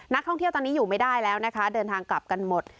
นักท่องเที่ยวตอนนี้อยู่ไม่ได้แล้วนะคะเดินทางกลับกันหมด